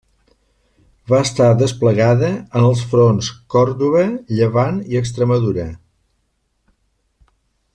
Va estar desplegada en els fronts Còrdova, Llevant i Extremadura.